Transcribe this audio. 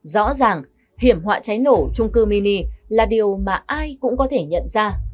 rõ ràng hiểm họa cháy nổ trung cư mini là điều mà ai cũng có thể nhận ra